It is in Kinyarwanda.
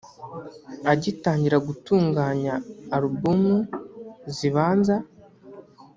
Agitangira gutunganya ‘albums’zibanza